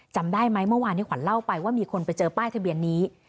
จำได้ไหมเมื่อวานที่ขวัญเล่าไปว่ามีคนไปเจอป้ายทะเบียนนี้